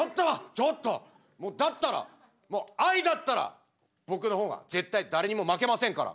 だったら愛だったら僕の方が絶対誰にも負けませんから。